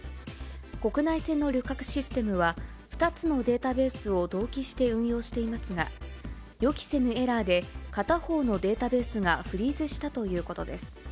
国内線の旅客システムは、２つのデータベースを同期して運用していますが、予期せぬエラーで片方のデータベースがフリーズしたということです。